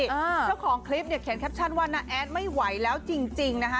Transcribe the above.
เจ้าของคลิปเนี่ยเขียนแคปชั่นว่าน้าแอดไม่ไหวแล้วจริงนะคะ